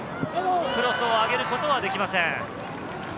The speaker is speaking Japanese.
クロスを上げることはできません。